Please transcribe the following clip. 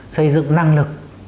xây dựng năng lực